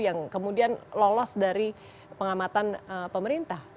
yang kemudian lolos dari pengamatan pemerintah